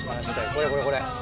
これこれこれ。